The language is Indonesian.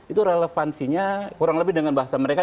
itu relevansinya kurang lebih dengan bahasa mereka